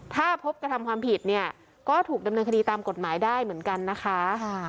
ถ้าพบกระทำความผิดเนี่ยก็ถูกดำเนินคดีตามกฎหมายได้เหมือนกันนะคะ